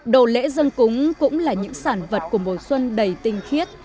đầu lễ dân cúng cũng là những sản vật của mùa xuân đầy tinh khiết